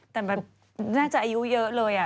แต่แบบน่าจะอายุเยอะเลยอ่ะ